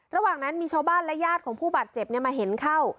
ระหว่างนั้นมีชาวบ้านและญาติของผู้บาดเจ็บมาเห็นเข้า